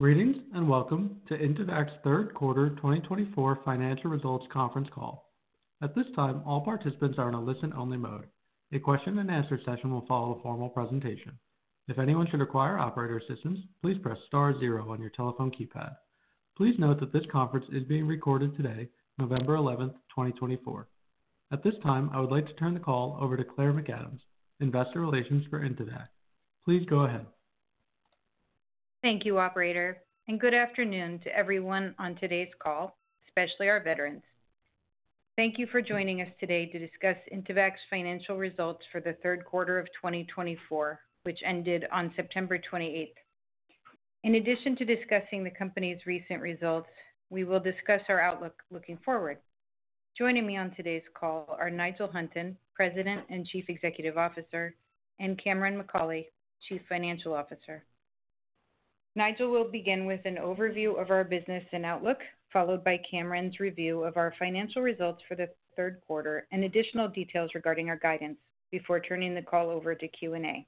Greetings and welcome to Intevac's Q3 2024 Financial Results Conference Call. At this time, all participants are in a listen-only mode. A question-and-answer session will follow a formal presentation. If anyone should require operator assistance, please press star zero on your telephone keypad. Please note that this conference is being recorded today, November 11th, 2024. At this time, I would like to turn the call over to Claire McAdams, Investor Relations for Intevac. Please go ahead. Thank you, Operator, and good afternoon to everyone on today's call, especially our veterans. Thank you for joining us today to discuss Intevac's financial results for the Q3 of 2024, which ended on September 28th. In addition to discussing the company's recent results, we will discuss our outlook looking forward. Joining me on today's call are Nigel Hunton, President and Chief Executive Officer, and Cameron McAulay, Chief Financial Officer. Nigel will begin with an overview of our business and outlook, followed by Cameron's review of our financial results for the Q3 and additional details regarding our guidance before turning the call over to Q&A.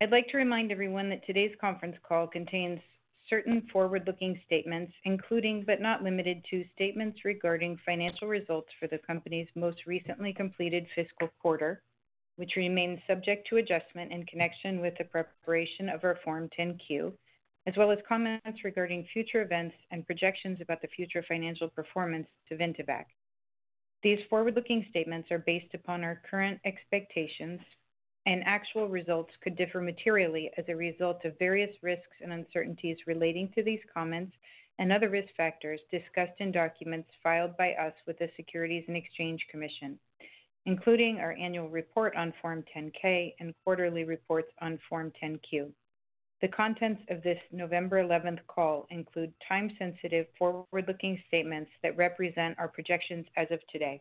I'd like to remind everyone that today's conference call contains certain forward-looking statements, including but not limited to statements regarding financial results for the company's most recently completed fiscal quarter, which remains subject to adjustment in connection with the preparation of our Form 10-Q, as well as comments regarding future events and projections about the future financial performance of Intevac. These forward-looking statements are based upon our current expectations, and actual results could differ materially as a result of various risks and uncertainties relating to these comments and other risk factors discussed in documents filed by us with the Securities and Exchange Commission, including our annual report on Form 10-K and quarterly reports on Form 10-Q. The contents of this November 11th call include time-sensitive, forward-looking statements that represent our projections as of today.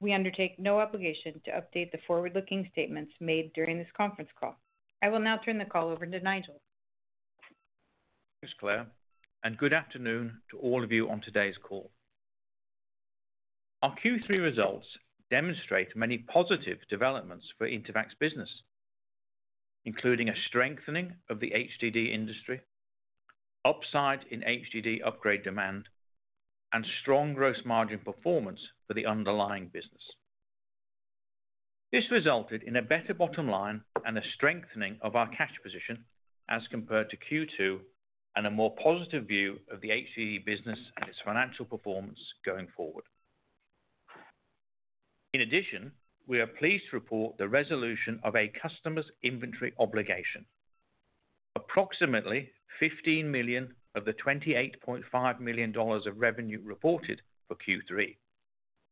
We undertake no obligation to update the forward-looking statements made during this conference call. I will now turn the call over to Nigel. Thanks, Claire, and good afternoon to all of you on today's call. Our Q3 results demonstrate many positive developments for Intevac's business, including a strengthening of the HDD industry, upside in HDD upgrade demand, and strong gross margin performance for the underlying business. This resulted in a better bottom line and a strengthening of our cash position as compared to Q2 and a more positive view of the HDD business and its financial performance going forward. In addition, we are pleased to report the resolution of a customer's inventory obligation. Approximately $15 million of the $28.5 million of revenue reported for Q3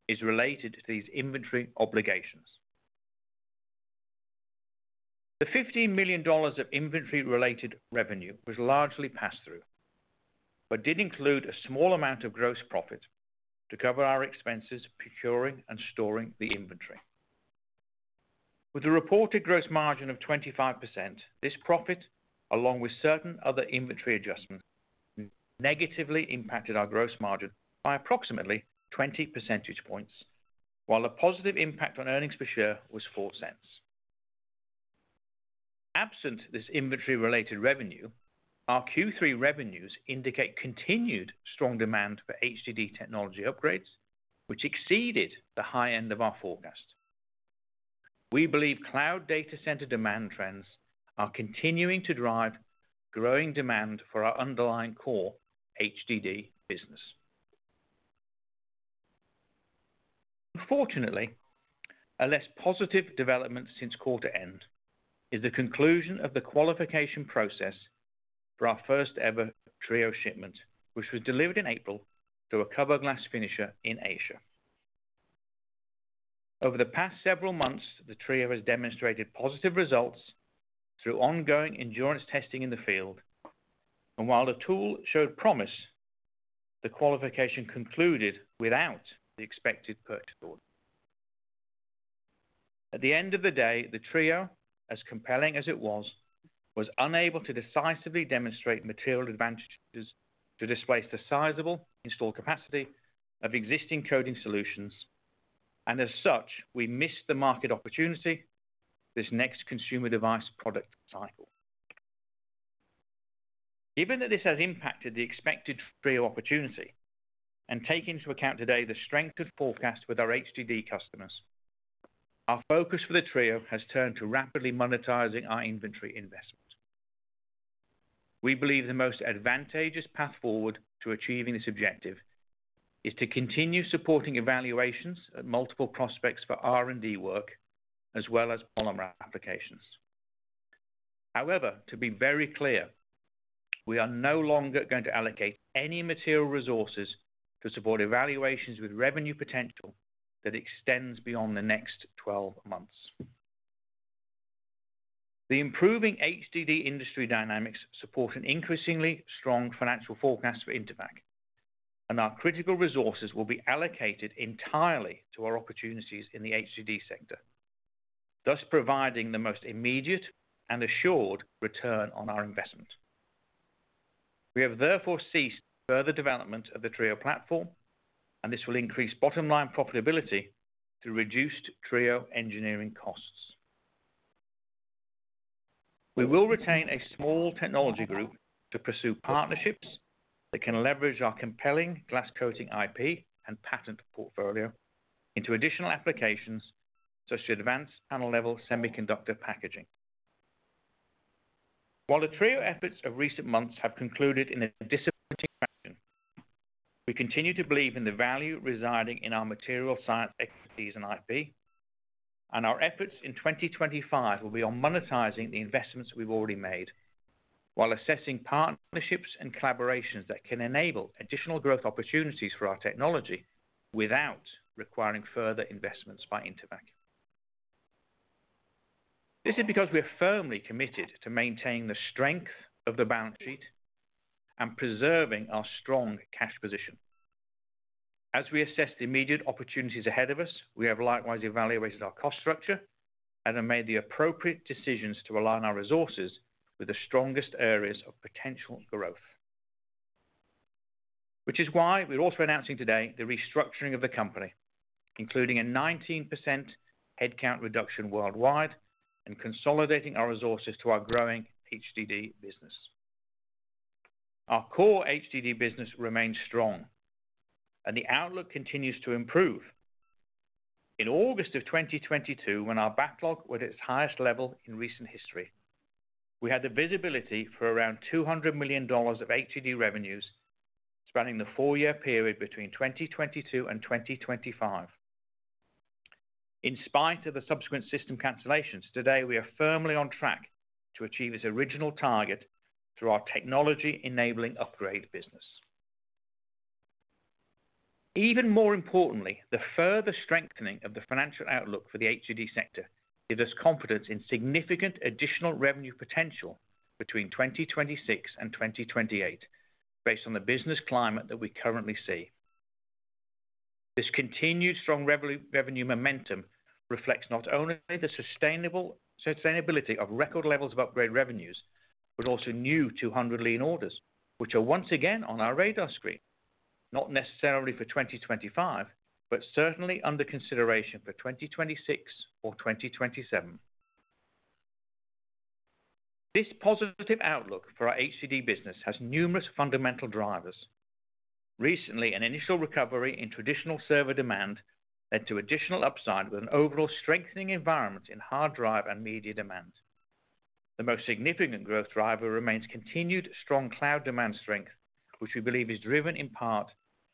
is related to these inventory obligations. The $15 million of inventory-related revenue was largely passed through but did include a small amount of gross profit to cover our expenses procuring and storing the inventory. With a reported gross margin of 25%, this profit, along with certain other inventory adjustments, negatively impacted our gross margin by approximately 20-percentage points, while a positive impact on earnings per share was $0.04. Absent this inventory-related revenue, our Q3 revenues indicate continued strong demand for HDD technology upgrades, which exceeded the high end of our forecast. We believe cloud data center demand trends are continuing to drive growing demand for our underlying core HDD business. Unfortunately, a less positive development since quarter end is the conclusion of the qualification process for our first-ever TRIO shipment, which was delivered in April to a cover glass finisher in Asia. Over the past several months, the TRIO has demonstrated positive results through ongoing endurance testing in the field, and while the tool showed promise, the qualification concluded without the expected purchase order. At the end of the day, the TRIO, as compelling as it was, was unable to decisively demonstrate material advantages to displace the sizable install capacity of existing coding solutions, and as such, we missed the market opportunity this next consumer device product cycle. Given that this has impacted the expected TRIO opportunity and taken into account today the strength of forecasts with our HDD customers, our focus for the TRIO has turned to rapidly monetizing our inventory investment. We believe the most advantageous path forward to achieving this objective is to continue supporting evaluations at multiple prospects for R&D work as well as polymer applications. However, to be very clear, we are no longer going to allocate any material resources to support evaluations with revenue potential that extends beyond the next 12 months. The improving HDD industry dynamics support an increasingly strong financial forecast for Intevac, and our critical resources will be allocated entirely to our opportunities in the HDD sector, thus providing the most immediate and assured return on our investment. We have therefore ceased further development of the TRIO platform, and this will increase bottom line profitability through reduced TRIO engineering costs. We will retain a small technology group to pursue partnerships that can leverage our compelling glass coating IP and patent portfolio into additional applications such as advanced panel-level semiconductor packaging. While the TRIO efforts of recent months have concluded in a disappointing fashion, we continue to believe in the value residing in our material science expertise and IP, and our efforts in 2025 will be on monetizing the investments we've already made while assessing partnerships and collaborations that can enable additional growth opportunities for our technology without requiring further investments by Intevac. This is because we are firmly committed to maintaining the strength of the balance sheet and preserving our strong cash position. As we assess the immediate opportunities ahead of us, we have likewise evaluated our cost structure and have made the appropriate decisions to align our resources with the strongest areas of potential growth. Which is why we're also announcing today the restructuring of the company, including a 19% headcount reduction worldwide and consolidating our resources to our growing HDD business. Our core HDD business remains strong, and the outlook continues to improve. In August of 2022, when our backlog was at its highest level in recent history, we had the visibility for around $200 million of HDD revenues spanning the four-year period between 2022 and 2025. In spite of the subsequent system cancellations, today we are firmly on track to achieve its original target through our technology-enabling upgrade business. Even more importantly, the further strengthening of the financial outlook for the HDD sector gives us confidence in significant additional revenue potential between 2026 and 2028 based on the business climate that we currently see. This continued strong revenue momentum reflects not only the sustainability of record levels of upgrade revenues but also new 200 Lean orders, which are once again on our radar screen, not necessarily for 2025, but certainly under consideration for 2026 or 2027. This positive outlook for our HDD business has numerous fundamental drivers. Recently, an initial recovery in traditional server demand led to additional upside with an overall strengthening environment in hard drive and media demand. The most significant growth driver remains continued strong cloud demand strength, which we believe is driven in part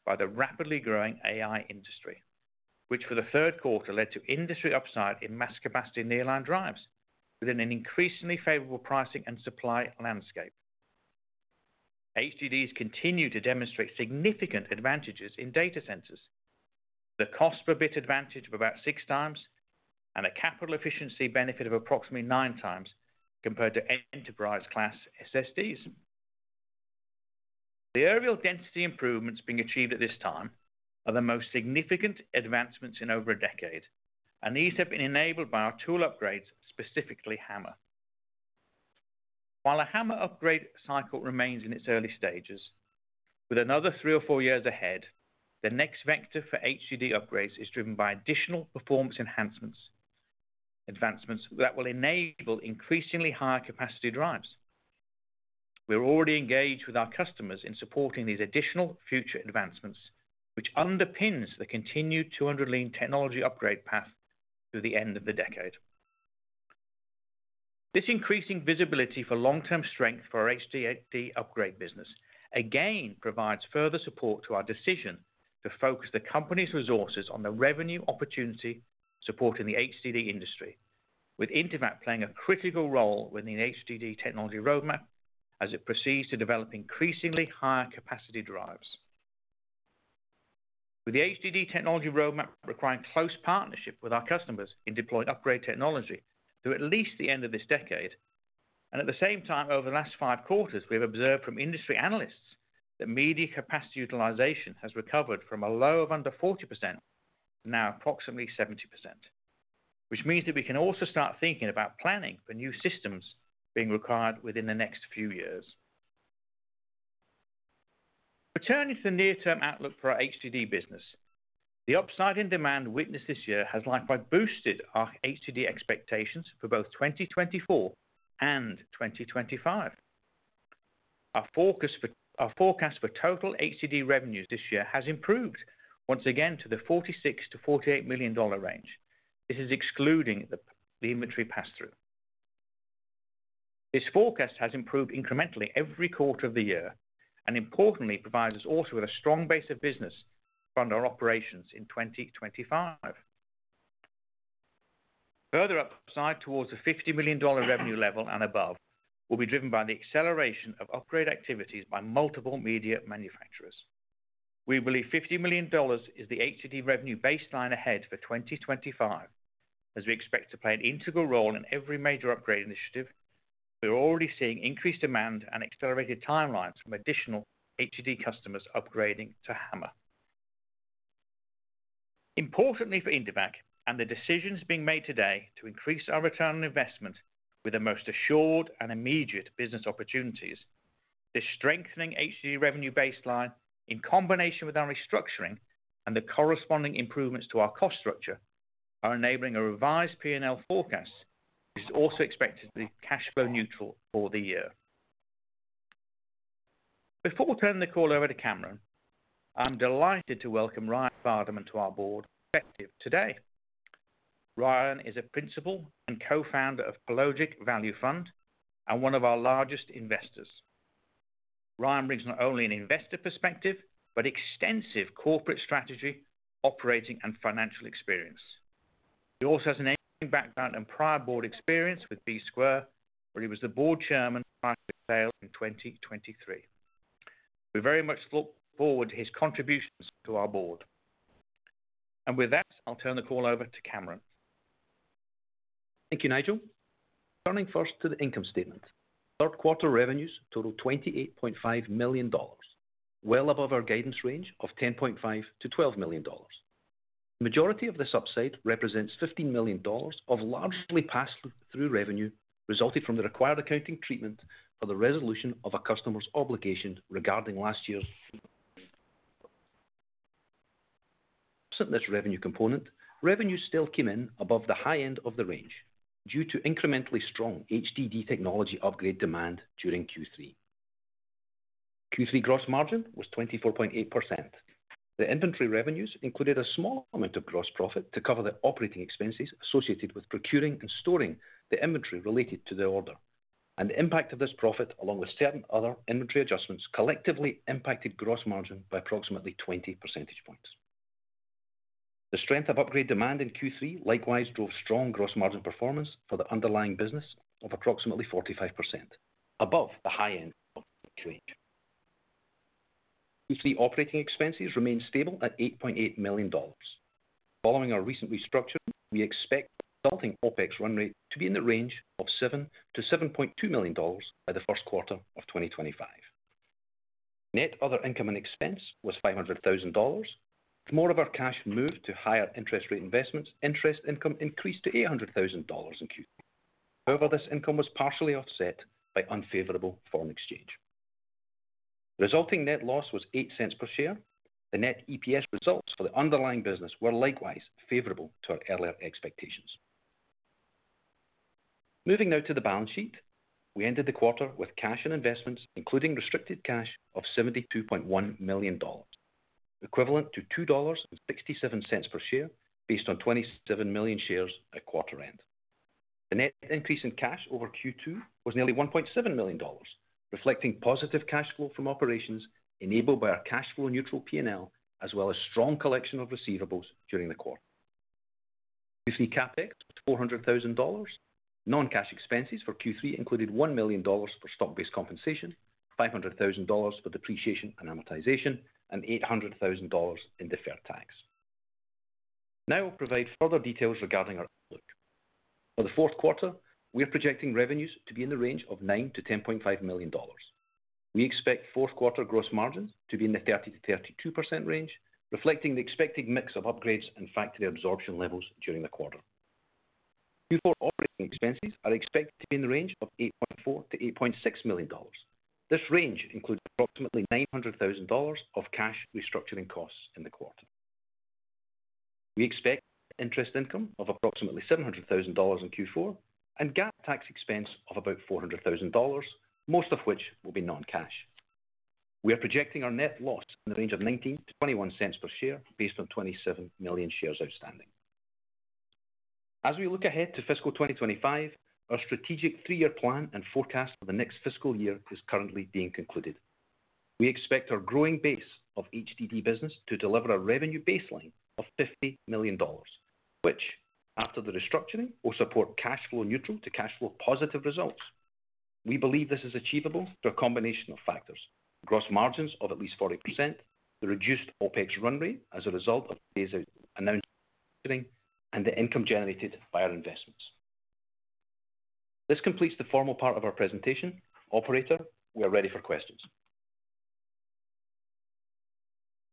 by the rapidly growing AI industry, which for the Q3 led to industry upside in mass capacity nearline drives within an increasingly favorable pricing and supply landscape. HDDs continue to demonstrate significant advantages in data centers with a cost-per-bit advantage of about six times and a capital efficiency benefit of approximately nine times compared to enterprise-class SSDs. The areal density improvements being achieved at this time are the most significant advancements in over a decade, and these have been enabled by our tool upgrades, specifically HAMR. While a HAMR upgrade cycle remains in its early stages, with another three or four years ahead, the next vector for HDD upgrades is driven by additional performance enhancements, advancements that will enable increasingly higher capacity drives. We're already engaged with our customers in supporting these additional future advancements, which underpins the continued 200 Lean technology upgrade path through the end of the decade. This increasing visibility for long-term strength for our HDD upgrade business again provides further support to our decision to focus the company's resources on the revenue opportunity supporting the HDD industry, with Intevac playing a critical role within the HDD technology roadmap as it proceeds to develop increasingly higher capacity drives. With the HDD technology roadmap requiring close partnership with our customers in deploying upgrade technology through at least the end of this decade, and at the same time, over the last five quarters, we have observed from industry analysts that media capacity utilization has recovered from a low of under 40% to now approximately 70%, which means that we can also start thinking about planning for new systems being required within the next few years. Returning to the near-term outlook for our HDD business, the upside in demand witnessed this year has likewise boosted our HDD expectations for both 2024 and 2025. Our forecast for total HDD revenues this year has improved once again to the $46 million-$48 million range. This is excluding the inventory pass-through. This forecast has improved incrementally every quarter of the year and, importantly, provides us also with a strong base of business to fund our operations in 2025. Further upside towards the $50 million revenue level and above will be driven by the acceleration of upgrade activities by multiple media manufacturers. We believe $50 million is the HDD revenue baseline ahead for 2025, as we expect to play an integral role in every major upgrade initiative, as we're already seeing increased demand and accelerated timelines from additional HDD customers upgrading to HAMR. Importantly for Intevac and the decisions being made today to increase our return on investment with the most assured and immediate business opportunities, this strengthening HDD revenue baseline in combination with our restructuring and the corresponding improvements to our cost structure are enabling a revised P&L forecast, which is also expected to be cash flow neutral for the year. Before we turn the call over to Cameron, I'm delighted to welcome Ryan Vardeman into our board perspective today. Ryan is a principal and co-founder of Palogic Value Fund and one of our largest investors. Ryan brings not only an investor perspective but extensive corporate strategy, operating, and financial experience. He also has an engineering background and prior board experience with Bsquare, where he was the board chairman prior to his sale in 2023. We very much look forward to his contributions to our board. And with that, I'll turn the call over to Cameron. Thank you, Nigel. Turning first to the income statement, Q3 revenues totaled $28.5 million, well above our guidance range of $10.5 million-$12 million. The majority of this upside represents $15 million of largely pass-through revenue resulting from the required accounting treatment for the resolution of a customer's obligation regarding last year's revenue. Absent this revenue component, revenues still came in above the high end of the range due to incrementally strong HDD technology upgrade demand during Q3. Q3 gross margin was 24.8%. The inventory revenues included a small amount of gross profit to cover the operating expenses associated with procuring and storing the inventory related to the order, and the impact of this profit, along with certain other inventory adjustments, collectively impacted gross margin by approximately 20 pp. The strength of upgrade demand in Q3 likewise drove strong gross margin performance for the underlying business of approximately 45%, above the high end of the range. Q3 operating expenses remained stable at $8.8 million. Following our recent restructuring, we expect resulting OPEX run rate to be in the range of $7million-$7.2 million by the Q1 of 2025. Net other income and expense was $500,000. With more of our cash moved to higher interest rate investments, interest income increased to $800,000 in Q3. However, this income was partially offset by unfavorable foreign exchange. Resulting net loss was $0.08 per share. The net EPS results for the underlying business were likewise favorable to our earlier expectations. Moving now to the balance sheet, we ended the quarter with cash and investments, including restricted cash of $72.1 million, equivalent to $2.67 per share based on $27 million shares at quarter end. The net increase in cash over Q2 was nearly $1.7 million, reflecting positive cash flow from operations enabled by our cash flow neutral P&L, as well as strong collection of receivables during the quarter. Q3 CapEx was $400,000. Non-cash expenses for Q3 included $1 million for stock-based compensation, $500,000 for depreciation and amortization, and $800,000 in deferred tax. Now I'll provide further details regarding our outlook. For the Q4, we are projecting revenues to be in the range of $9million-$10.5 million. We expect Q4 gross margins to be in the 30%-32% range, reflecting the expected mix of upgrades and factory absorption levels during the quarter. Q4 operating expenses are expected to be in the range of $8.4million-$8.6 million. This range includes approximately $900,000 of cash restructuring costs in the quarter. We expect interest income of approximately $700,000 in Q4 and GAAP tax expense of about $400,000, most of which will be non-cash. We are projecting our net loss in the range of $0.19-$0.21 per share based on $27 million shares outstanding. As we look ahead to fiscal 2025, our strategic three-year plan and forecast for the next fiscal year is currently being concluded. We expect our growing base of HDD business to deliver a revenue baseline of $50 million, which, after the restructuring, will support cash flow neutral to cash flow positive results. We believe this is achievable through a combination of factors: gross margins of at least 40%, the reduced OpEx run rate as a result of phase-out announcements, and the income generated by our investments. This completes the formal part of our presentation. Operator, we are ready for questions.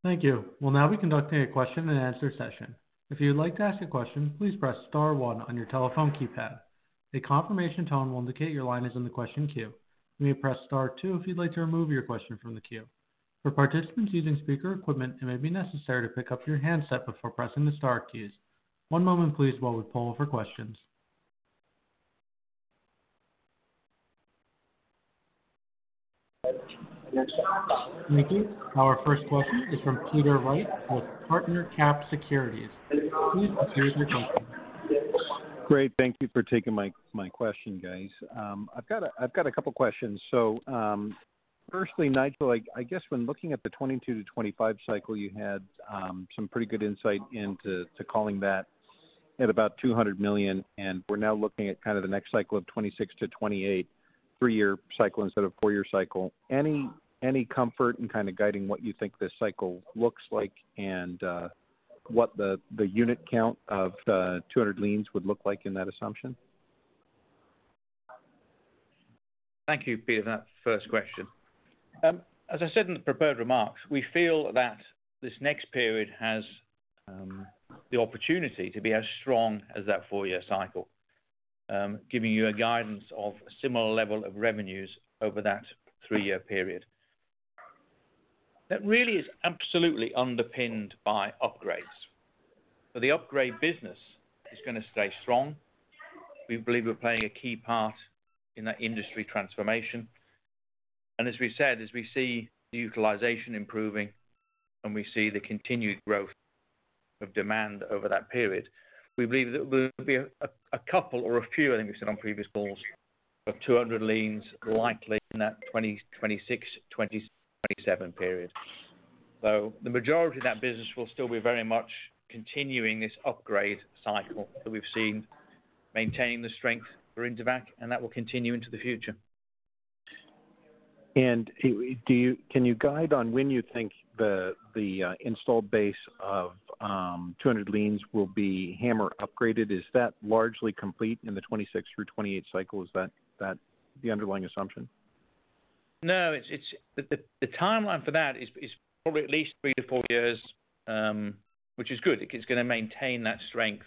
Thank you. We'll now be conducting a question and answer session. If you'd like to ask a question, please press star one on your telephone keypad. A confirmation tone will indicate your line is in the question queue. You may press star two if you'd like to remove your question from the queue. For participants using speaker equipment, it may be necessary to pick up your handset before pressing the star keys. One moment, please, while we poll for questions. Thank you. Our first question is from Peter Wright with PartnerCap Securities. Please proceed with your question. Great. Thank you for taking my question, guys. I've got a couple of questions. So firstly, Nigel, I guess when looking at the 2022 to 2025 cycle, you had some pretty good insight into calling that at about $200 million, and we're now looking at kind of the next cycle of 2026 to 2028, three-year cycle instead of four-year cycle. Any comfort in kind of guiding what you think this cycle looks like and what the unit count of the 200 Leans would look like in that assumption? Thank you, Peter, for that first question. As I said in the prepared remarks, we feel that this next period has the opportunity to be as strong as that four-year cycle, giving you a guidance of a similar level of revenues over that three-year period. That really is absolutely underpinned by upgrades. So the upgrade business is going to stay strong. We believe we're playing a key part in that industry transformation. And as we said, as we see the utilization improving and we see the continued growth of demand over that period, we believe that there will be a couple or a few, I think we've said on previous calls, of 200 Lean likely in that 2026, 2027 period. So the majority of that business will still be very much continuing this upgrade cycle that we've seen, maintaining the strength for Intevac, and that will continue into the future. Can you guide on when you think the installed base of 200 Lean will be HAMR upgraded? Is that largely complete in the 2026 through 2028 cycle? Is that the underlying assumption? No. The timeline for that is probably at least three to four years, which is good. It's going to maintain that strength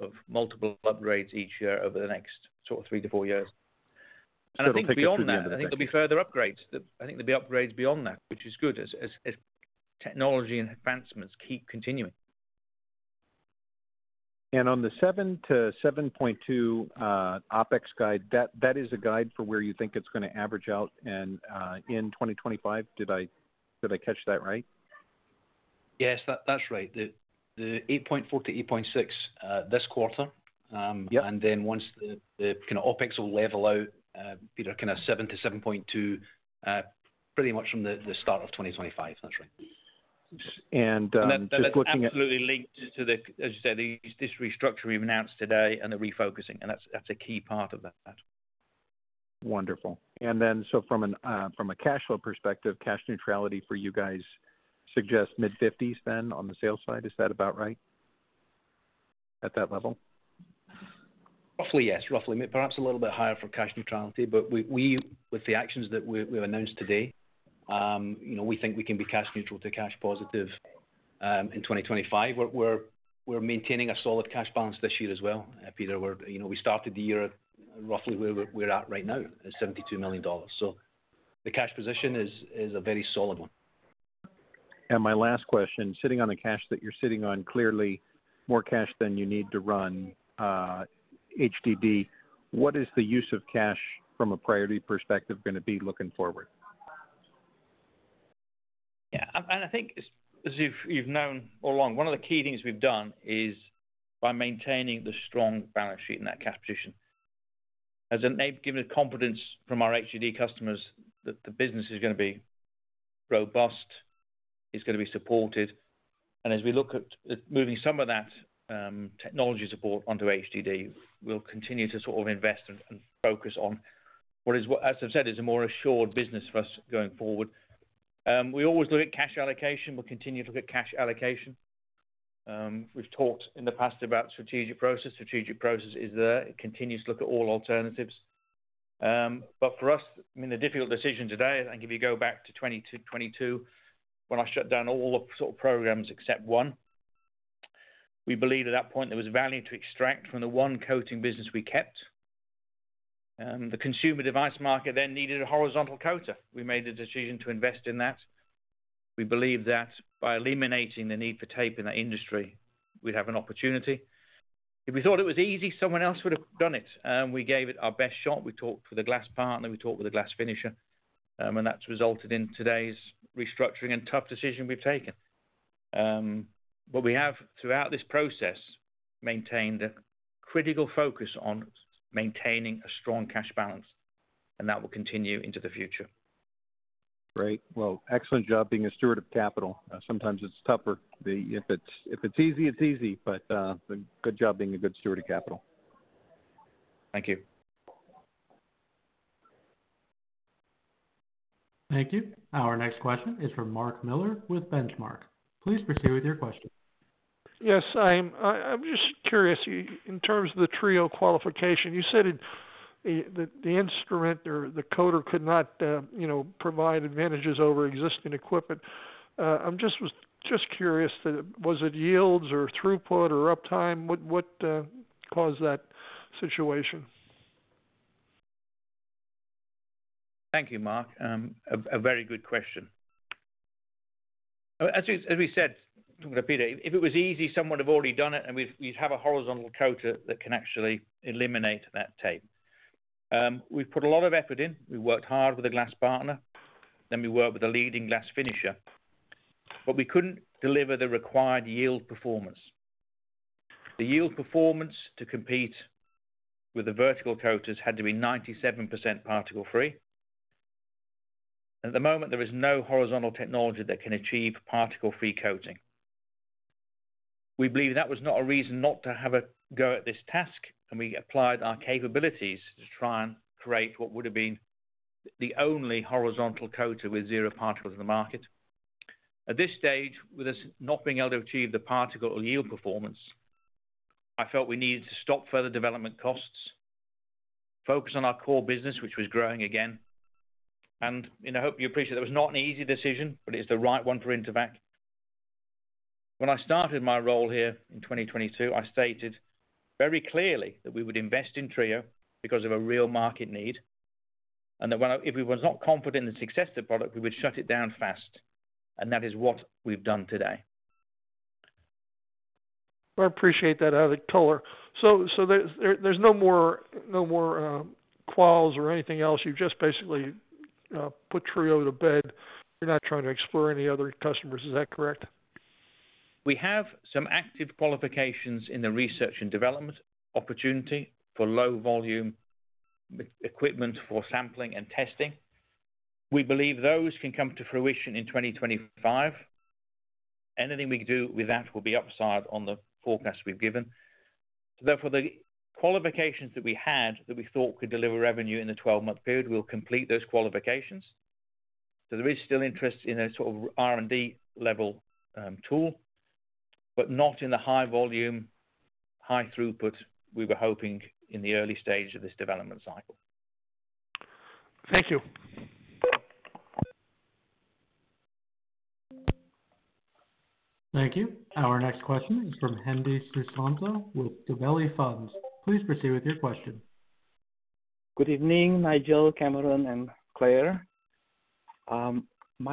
of multiple upgrades each year over the next sort of three to four years. And I think beyond that, I think there'll be further upgrades. I think there'll be upgrades beyond that, which is good as technology and advancements keep continuing. And on the $7million-$7.2 million OpEx guide, that is a guide for where you think it's going to average out in 2025. Did I catch that right? Yes, that's right. The $8.4 million-$8.6 million this quarter, and then once the OpEx will level out, either kind of $7 million-$7.2 million, pretty much from the start of 2025. That's right. And that's absolutely linked to the, as you said, this restructuring we've announced today and the refocusing, and that's a key part of that. Wonderful. And then so from a cash flow perspective, cash neutrality for you guys suggests mid-50s then on the sales side. Is that about right at that level? Roughly, yes. Roughly. Perhaps a little bit higher for cash neutrality, but with the actions that we've announced today, we think we can be cash neutral to cash positive in 2025. We're maintaining a solid cash balance this year as well. Peter, we started the year roughly where we're at right now at $72 million. So the cash position is a very solid one. And my last question, sitting on the cash that you're sitting on, clearly more cash than you need to run HDD, what is the use of cash from a priority perspective going to be looking forward? Yeah. And I think, as you've known all along, one of the key things we've done is by maintaining the strong balance sheet and that cash position. As an aim, given the confidence from our HDD customers that the business is going to be robust, it's going to be supported. And as we look at moving some of that technology support onto HDD, we'll continue to sort of invest and focus on what is, as I've said, is a more assured business for us going forward. We always look at cash allocation. We'll continue to look at cash allocation. We've talked in the past about strategic process. Strategic process is there. It continues to look at all alternatives. But for us, I mean, the difficult decision today, I think if you go back to 2022, when I shut down all the sort of programs except one, we believed at that point there was value to extract from the one coating business we kept. The consumer device market then needed a horizontal coater. We made the decision to invest in that. We believed that by eliminating the need for tape in that industry, we'd have an opportunity. If we thought it was easy, someone else would have done it. We gave it our best shot. We talked with a glass partner. We talked with a glass finisher, and that's resulted in today's restructuring and tough decision we've taken. But we have, throughout this process, maintained a critical focus on maintaining a strong cash balance, and that will continue into the future. Great. Well, excellent job being a steward of capital. Sometimes it's tougher. If it's easy, it's easy, but good job being a good steward of capital. Thank you. Thank you. Our next question is from Mark Miller with Benchmark. Please proceed with your question. Yes. I'm just curious, in terms of the TRIO qualification, you said the instrument or the coater could not provide advantages over existing equipment. I'm just curious, was it yields or throughput or uptime? What caused that situation? Thank you, Mark. A very good question. As we said, with Peter, if it was easy, someone had already done it, and we'd have a horizontal coater that can actually eliminate that tape. We've put a lot of effort in. We worked hard with a glass partner, then we worked with a leading glass finisher, but we couldn't deliver the required yield performance. The yield performance to compete with the vertical coaters had to be 97% particle-free. At the moment, there is no horizontal technology that can achieve particle-free coating. We believe that was not a reason not to have a go at this task, and we applied our capabilities to try and create what would have been the only horizontal coater with zero particles in the market. At this stage, with us not being able to achieve the particle or yield performance, I felt we needed to stop further development costs, focus on our core business, which was growing again, and I hope you appreciate that it was not an easy decision, but it's the right one for Intevac. When I started my role here in 2022, I stated very clearly that we would invest in TRIO because of a real market need and that if we were not confident in the success of the product, we would shut it down fast. And that is what we've done today. I appreciate that, it adds in color. So there's no more quals or anything else. You've just basically put TRIO to bed. You're not trying to explore any other customers. Is that correct? We have some active qualifications in the research and development opportunity for low-volume equipment for sampling and testing. We believe those can come to fruition in 2025. Anything we do with that will be upside on the forecast we've given. Therefore, the qualifications that we had that we thought could deliver revenue in the 12-month period, we'll complete those qualifications. So there is still interest in a sort of R&D-level tool, but not in the high-volume, high-throughput we were hoping in the early stage of this development cycle. Thank you. Thank you. Our next question is from Hendi Susanto with Gabelli Funds. Please proceed with your question. Good evening, Nigel, Cameron, and Claire. My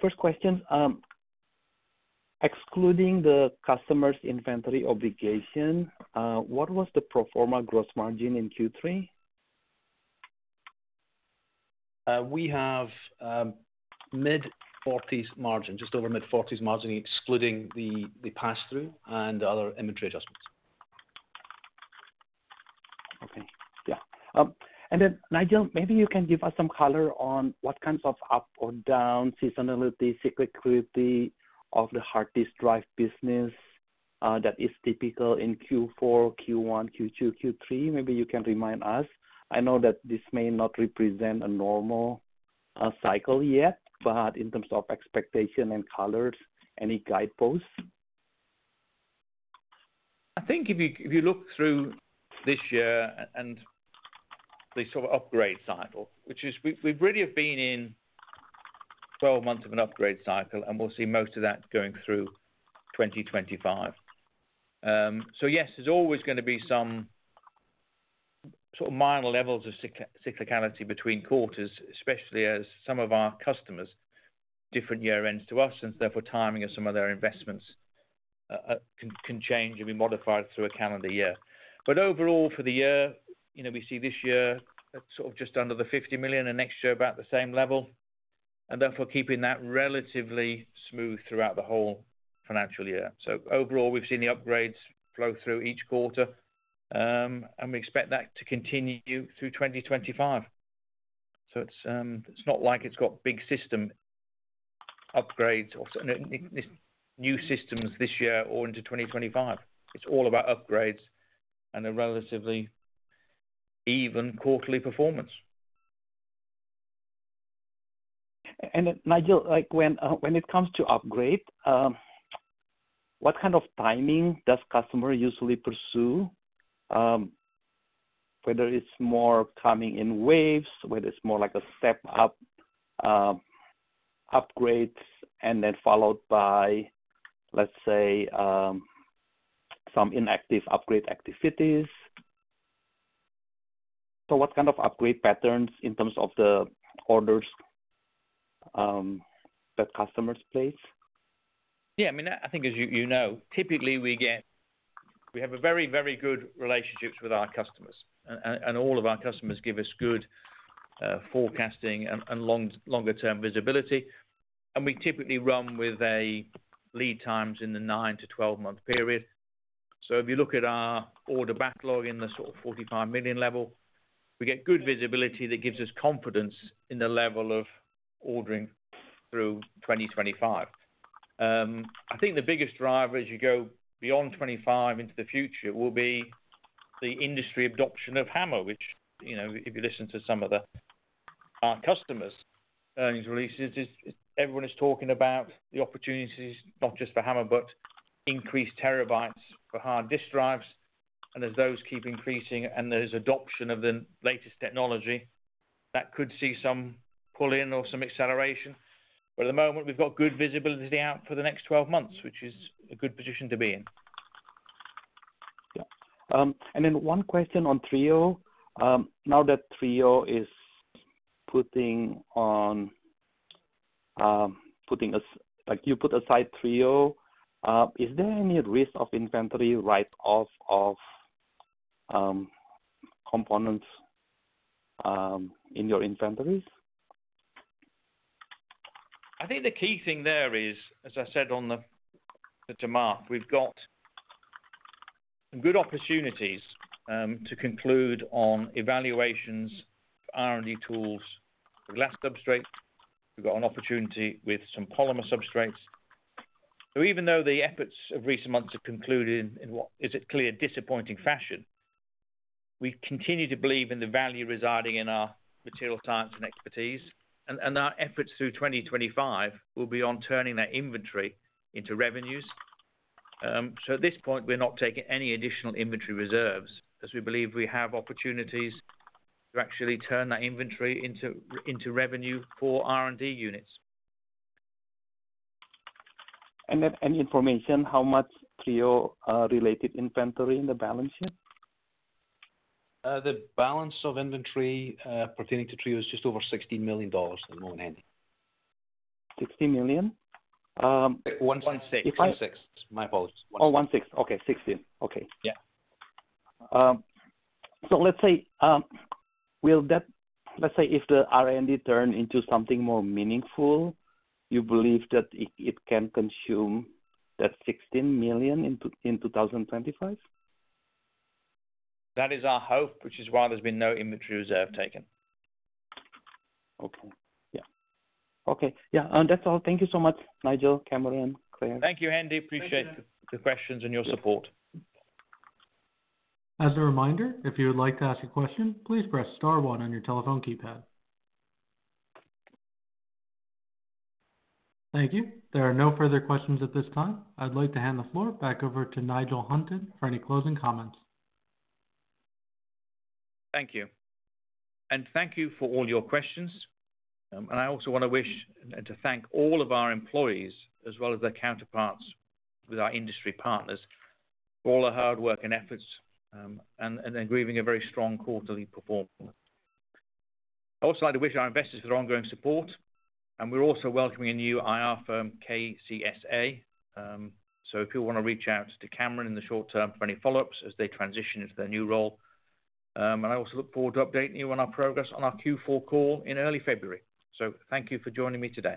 first question, excluding the customer's inventory obligation, what was the pro forma gross margin in Q3? We have mid-40s margin, just over mid-40s margin, excluding the pass-through and other inventory adjustments. Okay. Yeah. And then, Nigel, maybe you can give us some color on what kinds of up or down seasonality, cyclicity of the hard disk drive business that is typical in Q4, Q1, Q2, Q3. Maybe you can remind us. I know that this may not represent a normal cycle yet, but in terms of expectation and colors, any guideposts? I think if you look through this year and the sort of upgrade cycle, which is we really have been in 12 months of an upgrade cycle, and we'll see most of that going through 2025. So yes, there's always going to be some sort of minor levels of cyclicality between quarters, especially as some of our customers move different year-ends to us, and therefore timing of some of their investments can change and be modified through a calendar year. But overall, for the year, we see this year sort of just under $50 million and next year about the same level, and therefore keeping that relatively smooth throughout the whole financial year. So overall, we've seen the upgrades flow through each quarter, and we expect that to continue through 2025. So it's not like it's got big system upgrades or new systems this year or into 2025. It's all about upgrades and a relatively even quarterly performance. And Nigel, when it comes to upgrade, what kind of timing does customer usually pursue, whether it's more coming in waves, whether it's more like a step-up upgrades and then followed by, let's say, some inactive upgrade activities? So what kind of upgrade patterns in terms of the orders that customers place? Yeah. I mean, I think, as you know, typically we have very, very good relationships with our customers, and all of our customers give us good forecasting and longer-term visibility. And we typically run with lead times in the nine to 12-month period. So if you look at our order backlog in the sort of 45 million level, we get good visibility that gives us confidence in the level of ordering through 2025. I think the biggest driver as you go beyond 2025 into the future will be the industry adoption of HAMR, which if you listen to some of our customers' earnings releases, everyone is talking about the opportunities, not just for HAMR, but increased terabytes for hard disk drives. As those keep increasing and there's adoption of the latest technology, that could see some pull-in or some acceleration. At the moment, we've got good visibility out for the next 12 months, which is a good position to be in. Yeah. Then one question on TRIO. Now that you put aside TRIO, is there any risk of inventory write-off of components in your inventories? I think the key thing there is, as I said on the demand, we've got good opportunities to conclude on evaluations of R&D tools, glass substrate. We've got an opportunity with some polymer substrates. So even though the efforts of recent months have concluded in, it's clear, disappointing fashion, we continue to believe in the value residing in our material science and expertise. And our efforts through 2025 will be on turning that inventory into revenues. So at this point, we're not taking any additional inventory reserves as we believe we have opportunities to actually turn that inventory into revenue for R&D units. And then any information, how much TRIO-related inventory in the balance sheet? The balance of inventory pertaining to TRIO is just over $16 million at the moment. $16 million? $1.6 million. My apologies. Oh, $1.6 million. Okay. $16 million. Okay. Yeah. So let's say, let's say if the R&D turned into something more meaningful, you believe that it can consume that $16 million in 2025? That is our hope, which is why there's been no inventory reserve taken. Okay. Yeah. Okay. Yeah. And that's all. Thank you so much, Nigel, Cameron, Claire. Thank you, Hendi. Appreciate the questions and your support. As a reminder, if you would like to ask a question, please press star one on your telephone keypad. Thank you. There are no further questions at this time. I'd like to hand the floor back over to Nigel Hunton for any closing comments. Thank you. And thank you for all your questions. And I also want to thank all of our employees as well as their counterparts with our industry partners for all the hard work and efforts in delivering a very strong quarterly performance. I also like to thank our investors for their ongoing support. And we're also welcoming a new IR firm, KCSA. So if you want to reach out to Cameron in the short term for any follow-ups as they transition into their new role. And I also look forward to updating you on our progress on our Q4 call in early February. So thank you for joining me today.